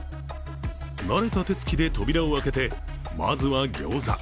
慣れた手つきで扉を開けてまずはギョーザ。